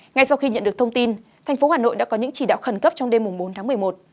ngay sau khi nhận được thông tin thành phố hà nội đã có những chỉ đạo khẩn cấp trong đêm bốn tháng một mươi một